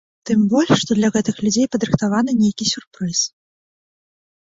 Тым больш, што для гэтых людзей падрыхтаваны нейкі сюрпрыз.